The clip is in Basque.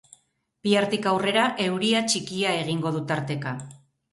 Bihartik aurrera, euria txikia egingo du tarteka.